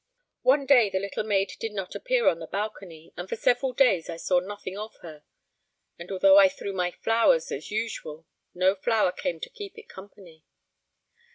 One day the little maid did not appear on her balcony, and for several days I saw nothing of her; and although I threw my flowers as usual, no flower came to keep it company.